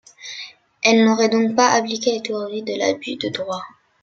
Elle n'aurait donc pas appliqué la théorie de l'abus de droit.